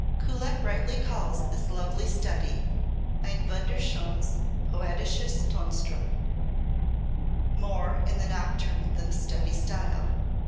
Kullak rightly calls this lovely study "ein wunderschones, poetisches Tonstuck," more in the nocturne than study style.